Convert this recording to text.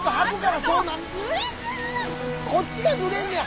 こっちがぬれんねや。